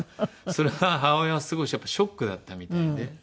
それが母親はすごいショックだったみたいで。